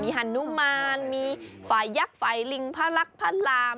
ฮานุมานมีฝ่ายยักษ์ฝ่ายลิงพระลักษณ์พระราม